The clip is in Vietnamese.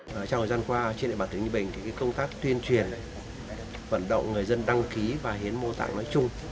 trong thời gian qua trên địa bàn tỉnh ninh bình thì công tác tuyên truyền vận động người dân đăng ký và hiến mô tạng nói chung